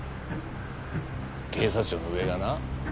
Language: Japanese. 警察庁の上がな